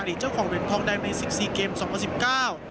เจ้าของเหรียญทองแดงในสิบสี่เกมสองพันสิบเก้า